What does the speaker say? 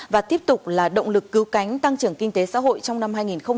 và tiếp tục là động lực cứu cánh tăng trưởng kinh tế xã hội trong năm hai nghìn hai mươi